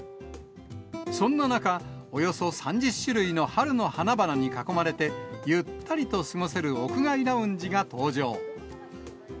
そんな中、およそ３０種類の春の花々に囲まれて、ゆったりと過ごせる屋外ラウンジが登場。